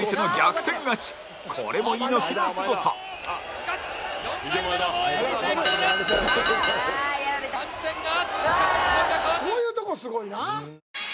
こういうとこすごいな。